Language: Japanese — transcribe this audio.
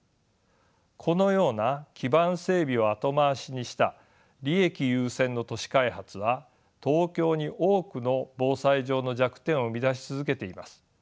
このような基盤整備を後回しにした利益優先の都市開発は東京に多くの防災上の弱点を生み出し続けています。